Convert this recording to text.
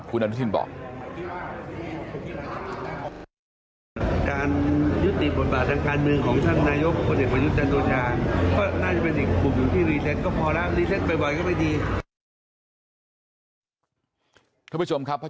แต่ว่าการวางมือทางการเมืองของบิตุก็ถือว่าเป็นการรีเซ็ตทางการเมืองอย่างหนึ่ง